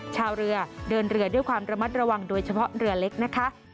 ชาวเรือเดินเรือด้วยความระมัดระวังโดยเฉพาะเรือเล็กนะคะ